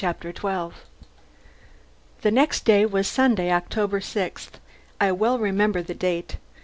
CHAPTER TWELVE The next day was Sunday, October sixth. I well remember the date.